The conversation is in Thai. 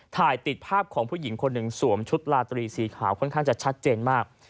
ถ่ายติดภาพของผู้หญิงคนหนึ่งสวมชุดลาตรีสีขาวค่อนข้างจะชัดเจนมาก